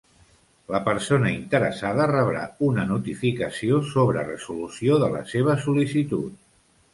La persona interessada rebrà una notificació sobre resolució de la seva sol·licitud.